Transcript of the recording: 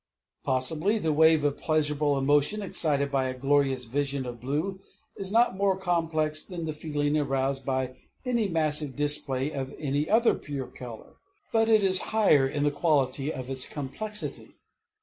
III Possibly the wave of pleasurable emotion excited by a glorious vision of blue is not more complex than the feeling aroused by any massive display of any other pure color; but it is higher in the quality of its complexity.